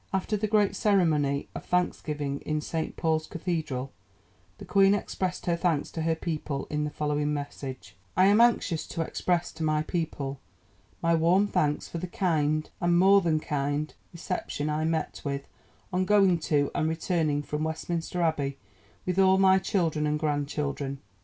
After the great ceremony of thanksgiving in St Paul's Cathedral the Queen expressed her thanks to her people in the following message: "I am anxious to express to my people my warm thanks for the kind, and more than kind, reception I met with on going to and returning from Westminster Abbey with all my children and grandchildren.